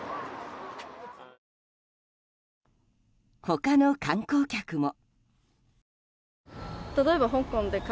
他の観光客も。